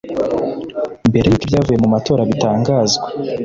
Mbere y’uko ibyavuye mu matora bitangazwa